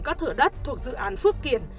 các thửa đất thuộc dự án phước kiện